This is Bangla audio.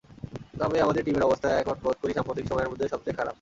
তবে আমাদের টিমের অবস্থা এখন বোধ করি সাম্প্রতিক সময়ের মধ্যে সবচেয়ে খারাপ।